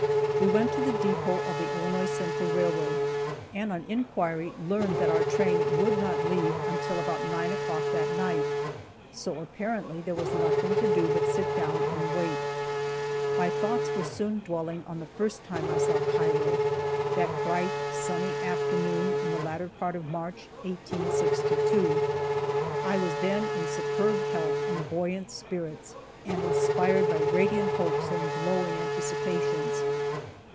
We went to the depot of the Illinois Central railroad, and on inquiry learned that our train would not leave until about nine o'clock that night, so apparently there was nothing to do but sit down and wait. My thoughts were soon dwelling on the first time I saw Cairo, that bright sunny afternoon in the latter part of March, 1862. I was then in superb health and buoyant spirits, and inspired by radiant hopes and glowing anticipations.